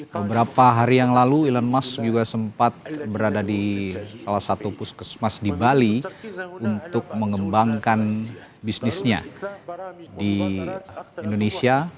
beberapa hari yang lalu elon musk juga sempat berada di salah satu puskesmas di bali untuk mengembangkan bisnisnya di indonesia